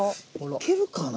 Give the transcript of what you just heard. いけるかな？